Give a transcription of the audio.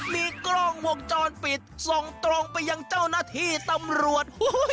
มีกล้องวงจรปิดส่งตรงไปยังเจ้าหน้าที่ตำรวจ